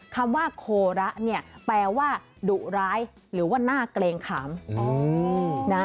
คำว่าโคระเนี่ยแปลว่าดุร้ายหรือว่าน่าเกรงขาม